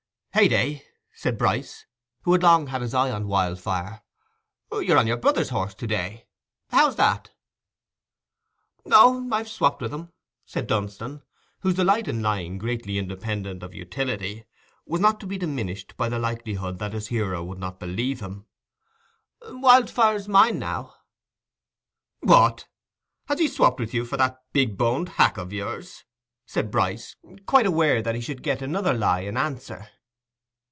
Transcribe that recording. "Heyday!" said Bryce, who had long had his eye on Wildfire, "you're on your brother's horse to day: how's that?" "Oh, I've swopped with him," said Dunstan, whose delight in lying, grandly independent of utility, was not to be diminished by the likelihood that his hearer would not believe him—"Wildfire's mine now." "What! has he swopped with you for that big boned hack of yours?" said Bryce, quite aware that he should get another lie in answer.